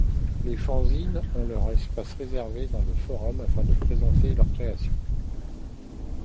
Les fanzines ont leur espace réservé dans le forum afin de présenter leurs créations.